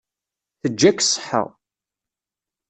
Teǧǧa-k ṣṣeḥḥa.